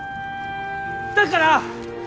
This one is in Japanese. だから！